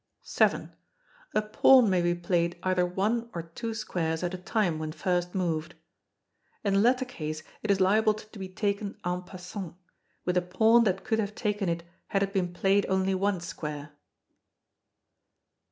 vii. A pawn may be played either one or two squares at a time when first moved. [In the latter case it is liable to be taken en passant, with a pawn that could have taken it had it been played only one square.